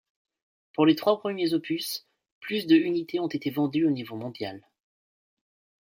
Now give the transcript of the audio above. Pour les trois premiers opus, plus de unités ont été vendues au niveau mondial.